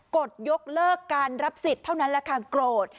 กดยกเลิกการรับศิษย์เท่านั้นและกลัวเกราด